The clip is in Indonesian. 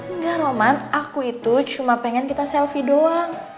enggak roman aku itu cuma pengen kita selfie doang